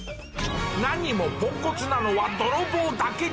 何もポンコツなのは泥棒だけじゃない！